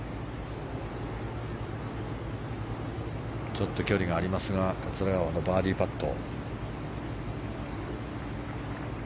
ちょっと距離がありますが桂川のバーディーパット。